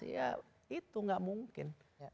ya itu nggak mungkin